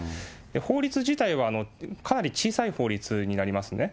法律自体は、かなり小さい法律になりますね。